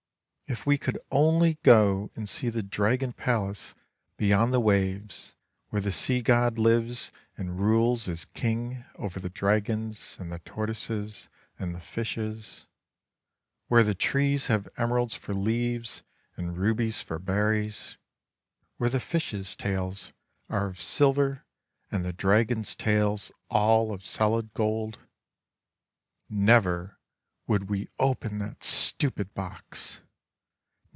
If we could only go and see the Dragon Palace beyond the waves, where the Sea God lives and rules as king over the dragons and the tortoises and the fishes, where the trees have emeralds for leaves and rubies for berries, where the fishes' tails are of silver and the dragons' tails all of solid gold — never would we open that stupid box.